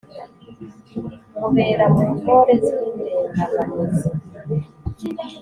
mubera mu ntore z'indengabanizi